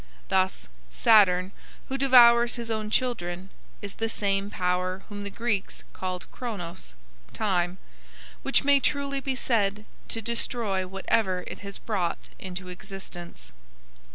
Thus Saturn, who devours his own children, is the same power whom the Greeks called Cronos (Time), which may truly be said to destroy whatever it has brought into existence.